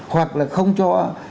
hoặc là không cho